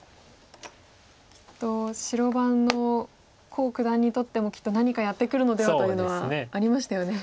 きっと白番の黄九段にとってもきっと何かやってくるのではというのはありましたよね。